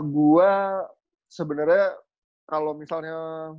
gue sebenernya kalo misalnya